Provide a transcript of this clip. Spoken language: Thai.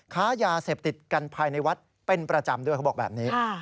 ค้ายาเสพติดกันภายในวัดเป็นประจำด้วยเขาบอกแบบนี้